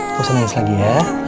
udah usah nangis lagi ya